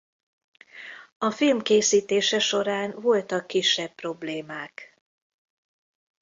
A film készítése során voltak kisebb problémák.